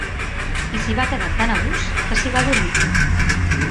I s'hi va quedar tan a gust que s'hi va adormir.